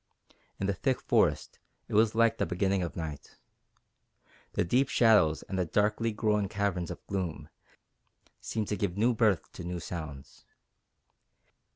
In the thick forest it was like the beginning of night. The deep shadows and darkly growing caverns of gloom seemed to give birth to new sounds.